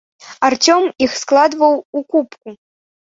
Арцём іх складваў у купку.